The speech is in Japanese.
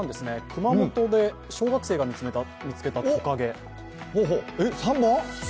熊本で小学生が見つけたとかげ。